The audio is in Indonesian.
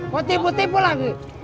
kok tipu tipu lagi